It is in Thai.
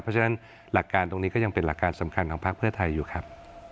เพราะฉะนั้นหลักการตรงนี้ก็ยังเป็นหลักการสำคัญของพักเพื่อไทยอยู่ครับ